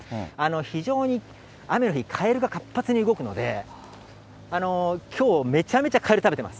非常に雨の日、カエルが活発に動くので、きょう、めちゃくちゃ見てます。